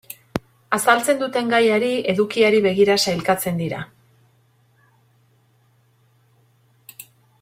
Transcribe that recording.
Azaltzen duten gaiari, edukiari begira sailkatzen dira.